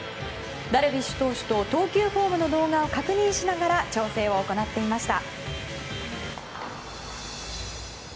ダルビッシュ投手と投球フォームの動画を確認しながら調整を行っていました。